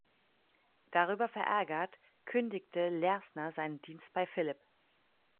Darüber verärgert, kündigte Lersner seinen Dienst bei Philipp.